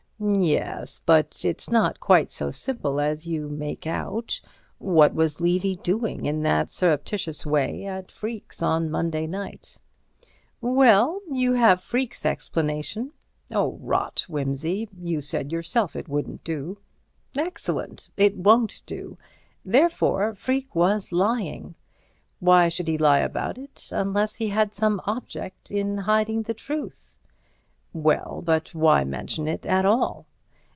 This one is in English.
"Yes; but it's not quite so simple as you make out. What was Levy doing in that surreptitious way at Freke's on Monday night?" "Well, you have Freke's explanation." "Rot, Wimsey. You said yourself it wouldn't do." "Excellent. It won't do. Therefore Freke was lying. Why should he lie about it, unless he had some object in hiding the truth?" "Well, but why mention it at all?"